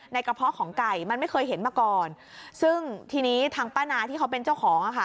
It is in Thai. กระเพาะของไก่มันไม่เคยเห็นมาก่อนซึ่งทีนี้ทางป้านาที่เขาเป็นเจ้าของอ่ะค่ะ